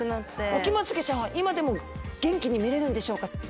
オキマツゲちゃんは今でも元気に見れるんでしょうか？